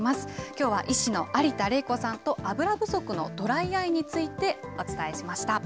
きょうは医師の有田玲子さんと油不足のドライアイについてお伝えしました。